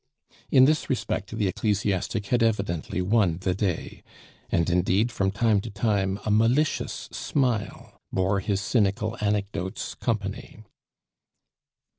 In this respect the ecclesiastic had evidently won the day; and, indeed, from time to time a malicious smile bore his cynical anecdotes company.